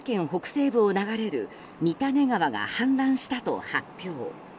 西部を流れる三種川が氾濫したと発表。